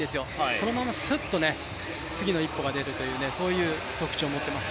そのまますっと次の一歩が出るという特徴を持ってます。